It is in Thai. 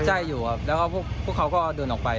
ใช่อยู่ครับแล้วก็พวกเขาก็เดินออกไป